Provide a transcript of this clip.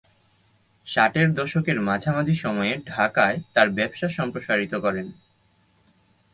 ষাটের দশকের মাঝামাঝি সময়ে ঢাকায় তার ব্যবসা সম্প্রসারিত করেন।